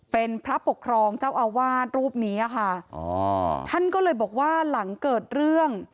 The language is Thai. เป็นพระปกครองเจ้าอาวาสรูปนี้ค่ะอ๋อท่านก็เลยบอกว่าหลังเกิดเรื่อง